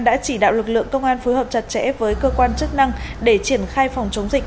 đã chỉ đạo lực lượng công an phối hợp chặt chẽ với cơ quan chức năng để triển khai phòng chống dịch